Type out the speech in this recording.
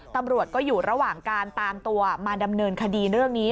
ตำรวจก็อยู่ระหว่างการตามตัวมาดำเนินคดีเรื่องนี้